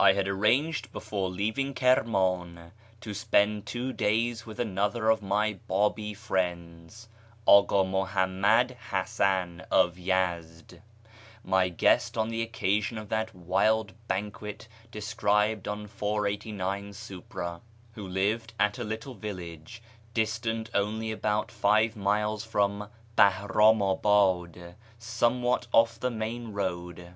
I had arranged before leaving Kirman to spend two days with another of my Babi friends, Aka Muhammad Hasan of Yezd (my guest on the occasion of that wild bancj[uet described at p. 489 swpro.), who lived at a little village distant only about live miles from Bahramabad, somewhat off the main road.